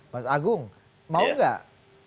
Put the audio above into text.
mas agung mau gak